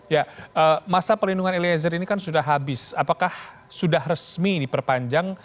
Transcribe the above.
ya masa pelindungan eliezer ini kan sudah habis apakah sudah resmi diperpanjang